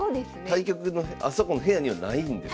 対局のあそこの部屋にはないんですね。